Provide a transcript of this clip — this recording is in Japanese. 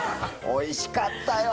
おいしかったよ。